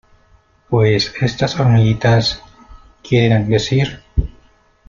pues estas hormiguitas quieren decir